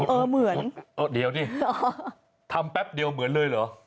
เหมือนเออเดี๋ยวดิทำแป๊บเดียวเหมือนเลยเหรอ